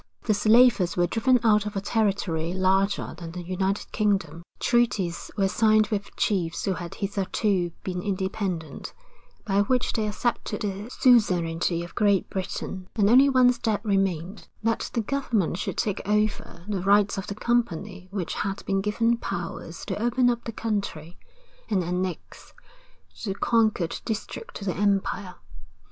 The slavers were driven out of a territory larger than the United Kingdom, treaties were signed with chiefs who had hitherto been independent, by which they accepted the suzerainty of Great Britain; and only one step remained, that the government should take over the rights of the company which had been given powers to open up the country, and annex the conquered district to the empire.